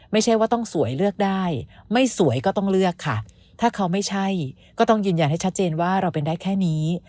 ไม่ใช่ว่าต้องสวยเลือกได้ไม่สวยก็ต้องเลือกค่ะถ้าเขาไม่ใช่ก็ต้องยืนยันให้ชัดเจนว่าเราเป็นได้แค่นี้